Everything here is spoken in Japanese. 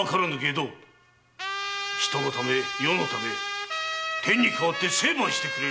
人のため世のため天に代わって成敗してくれる！